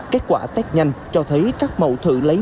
kết quả test nhanh cho thấy các mẫu thử lấy